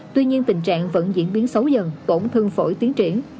tuy nhiên tình trạng vẫn diễn biến xấu dần tổn thương phổi tiến triển